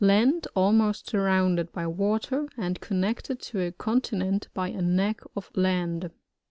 Land almost surrounded by water, and connected to a continent by a neck of land.